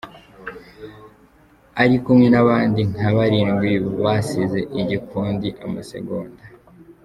Ari kumwe n’abandi nka barindwi basize igikundi amasegonda